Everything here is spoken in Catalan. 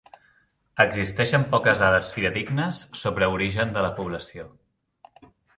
Existeixen poques dades fidedignes sobre origen de la població.